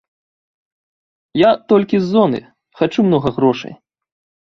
Я толькі з зоны, хачу многа грошай.